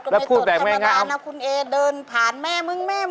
เอาพูดแบบตรงนะคุณทีก็โตษใส่ให้